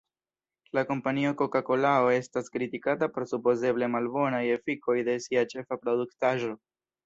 La kompanio Koka-Kolao estas kritikata pro supozeble malbonaj efikoj de sia ĉefa produktaĵo.